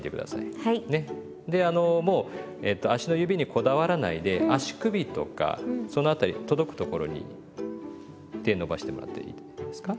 あのもう足の指にこだわらないで足首とかその辺り届くところに手伸ばしてもらっていいですか。